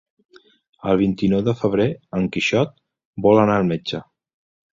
El vint-i-nou de febrer en Quixot vol anar al metge.